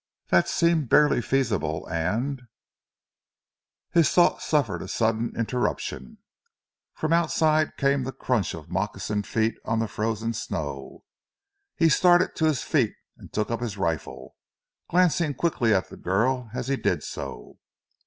That seemed barely feasible, and His thought suffered a sudden interruption. From outside came the crunch of moccasined feet on the frozen snow. He started to his feet, and took up his rifle, glancing quickly at the girl as he did so.